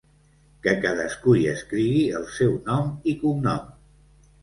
Que cadascú hi escrigui el seu nom i cognom!